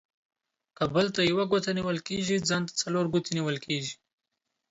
که بل ته يوه گوته نيول کېږي ، ځان ته څلور گوتي نيول کېږي.